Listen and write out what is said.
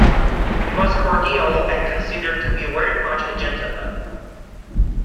He was cordial and considered to be very much a gentleman.